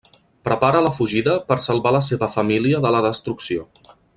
Prepara la fugida per salvar la seva família de la destrucció.